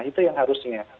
itu yang harusnya